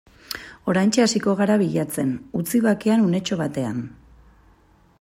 Oraintxe hasiko gara bilatzen, utzi bakean unetxo batean.